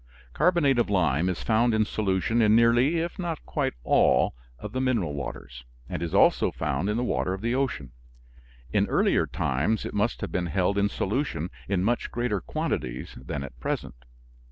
Carbonate of lime is found in solution in nearly, if not quite, all of the mineral waters, and is also found in the water of the ocean. In earlier times it must have been held in solution in much greater quantities than at present.